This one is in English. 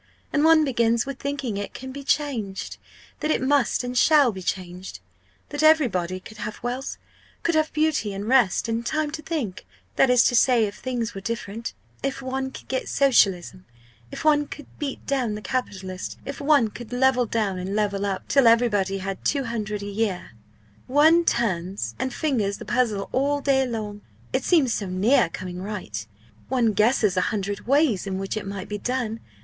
And one begins with thinking it can be changed that it must and shall be changed! that everybody could have wealth could have beauty and rest, and time to think, that is to say if things were different if one could get Socialism if one could beat down the capitalist if one could level down, and level up, till everybody had 200 l. a year. One turns and fingers the puzzle all day long. It seems so near coming right one guesses a hundred ways in which it might be done!